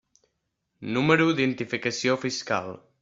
Número d'identificació fiscal.